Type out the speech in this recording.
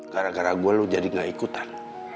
gara gara gue lu jadi gak ikutan